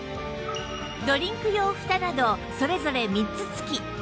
ドリンク用ふたなどそれぞれ３つ付き